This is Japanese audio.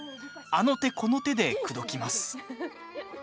あの手この手で口説きます。